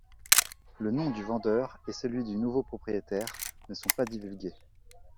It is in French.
Le nom du vendeur et celui du nouveau propriétaire ne sont pas divulgués.